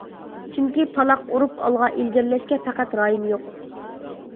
چۈنكى پالاق ئۇرۇپ ئالغا ئىلگىرىلەشكە پەقەت رايىم يوق.